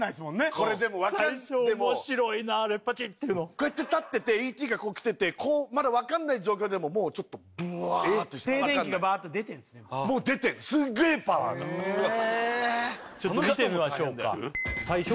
これでも最初面白いなパチっていうのこうやって立っててＥ．Ｔ．がこう来ててまだ分かんない状況でももうちょっとブワってしてる静電気がバーって出てんすねもうもう出てるすげえパワーがええちょっと見てみましょうか最初？